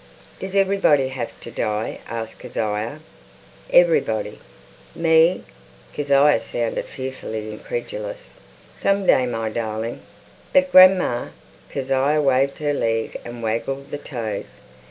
"Does everybody have to die?" asked Kezia. "Everybody!" "Me?" Kezia sounded fearfully incredulous. "Some day, my darling." "But, grandma." Kezia waved her left leg and waggled the toes.